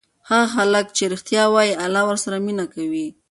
هغه خلک چې ریښتیا وایي الله ورسره مینه کوي.